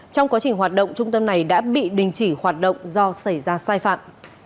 trong quá trình hoạt động trung tâm này đã bị đình chỉ hoạt động do xảy ra sai phạm